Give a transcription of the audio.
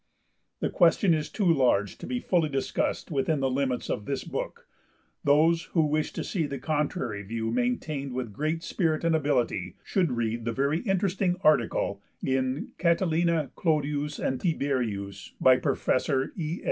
The question is too large to be fully discussed within the limits of this book; those who wish to see the contrary view maintained with great spirit and ability should read the very interesting article in 'Catiline, Clodius and Tiberius,' by Professor E.